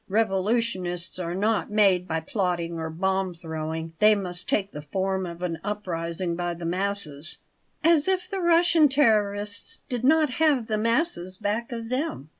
"Revolutions are not made by plotting or bomb throwing. They must take the form of an uprising by the masses." "As if the Russian terrorists did not have the masses back of them!